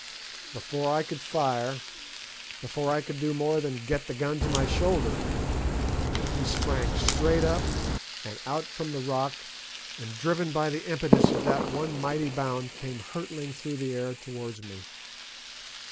Before I could fire before I could do more than get the gun to my shoulder he sprang straight up and out from the rock, and driven by the impetus of that one mighty bound came hurtling through the air towards me.